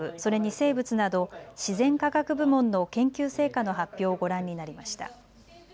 生物など自然科学部門の研究成果の発表をご覧になりました。